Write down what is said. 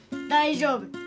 大丈夫。